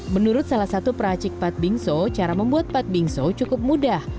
menurut salah satu peracik pat bingso cara membuat pat bingso cukup mudah